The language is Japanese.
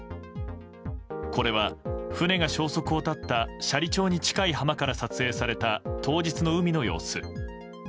これは船が消息を絶った斜里町に近い浜から撮影された当日の海の様子。